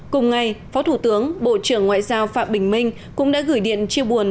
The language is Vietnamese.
cùng ngày phó thủ tướng bộ trưởng ngoại giao phạm bình minh cũng đã gửi điện chia buồn